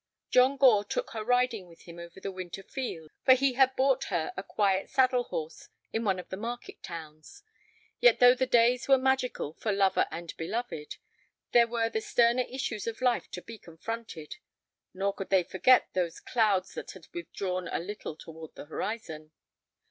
John Gore took her riding with him over the winter fields, for he had bought her a quiet saddle horse in one of the market towns. Yet though the days were magical for lover and beloved, there were the sterner issues of life to be confronted, nor could they forget those clouds that had withdrawn a little toward the horizon.